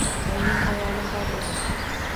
Mening ayolim bor edi.